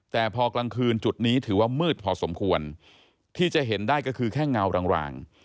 แต่พอกลางคืนจุดนี้ถือว่ามืดพอสมควรที่จะเห็นได้ก็คือแค่เงาราง